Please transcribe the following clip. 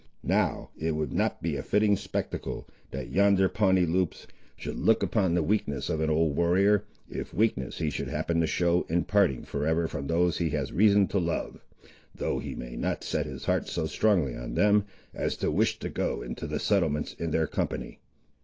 Now it would not be a fitting spectacle, that yonder Pawnee Loups should look upon the weakness of an old warrior, if weakness he should happen to show in parting for ever from those he has reason to love, though he may not set his heart so strongly on them, as to wish to go into the settlements in their company."